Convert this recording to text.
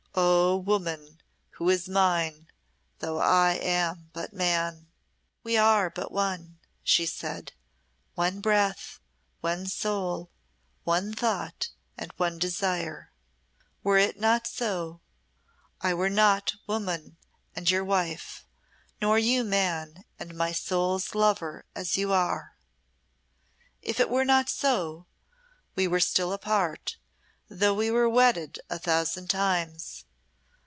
"Oh, woman who is mine, though I am but man." "We are but one," she said; "one breath, one soul, one thought, and one desire. Were it not so, I were not woman and your wife, nor you man and my soul's lover as you are. If it were not so, we were still apart, though we were wedded a thousand times.